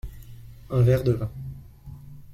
Un verre de vin.